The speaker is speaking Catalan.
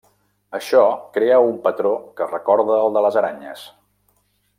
Això crea un patró que recorda al de les aranyes.